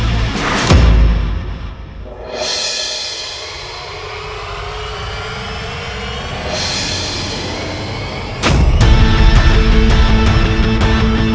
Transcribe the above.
aku tidak beban tetapi meman méng